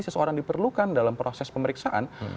seseorang diperlukan dalam proses pemeriksaan